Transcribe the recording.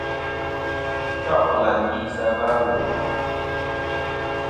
Cho' bɨlàŋgi sɨ a va ɨwùyn.